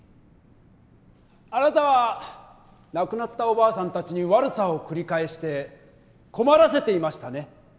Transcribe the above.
あなたは亡くなったおばあさんたちに悪さを繰り返して困らせていましたね。